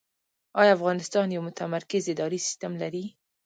آیا افغانستان یو متمرکز اداري سیستم لري؟